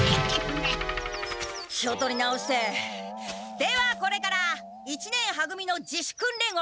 気を取り直してではこれから一年は組の自主訓練を始めます！